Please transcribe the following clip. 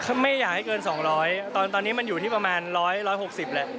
เขาไม่อยากให้เกิน๒๐๐ตอนนี้มันอยู่ที่ประมาณ๑๖๐แหละ